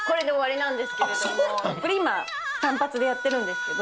これ今単発でやってるんですけど。